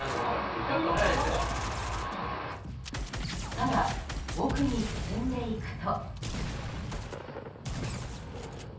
ただ、奥に進んでいくと。